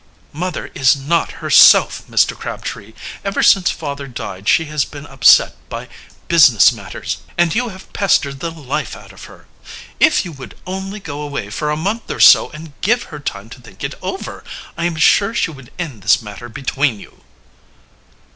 "Mother is not herself, Mr. Crabtree. Ever since father died she has been upset by business matters, and you have pestered the life out of her. If you would only go away for a month or so and give her time to think it over, I am sure she would end this matter between you."